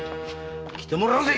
来てもらうぜ！